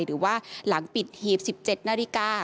หรือว่าหลังปิดหีบ๑๗นาฬิกา